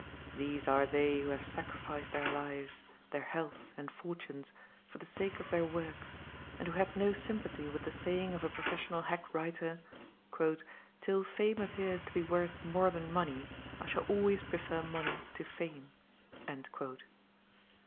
These are they who have sacrificed their lives, their health and fortunes, for the sake of their works, and who had no sympathy with the saying of a professional hack writer, "Till fame appears to be worth more than money, I shall always prefer money to fame."